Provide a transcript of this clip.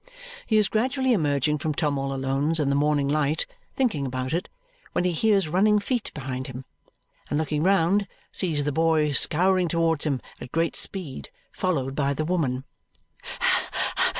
He is gradually emerging from Tom all Alone's in the morning light, thinking about it, when he hears running feet behind him, and looking round, sees the boy scouring towards him at great speed, followed by the woman.